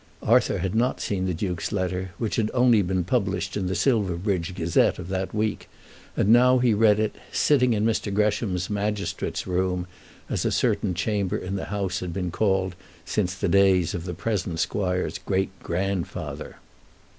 Arthur had not seen the Duke's letter, which had only been published in the "Silverbridge Gazette" of that week, and he now read it, sitting in Mr. Gresham's magistrate's room, as a certain chamber in the house had been called since the days of the present squire's great grandfather.